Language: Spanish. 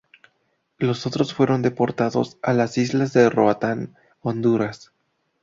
Los otros fueron deportados a la isla de Roatán, Honduras.